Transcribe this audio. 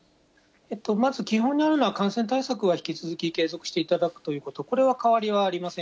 まず基本にあるのは、感染対策は引き続き継続していただくということ、これは変わりはありません。